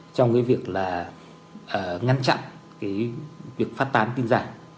trong cái việc là ngăn chặn cái việc phát tán tin giả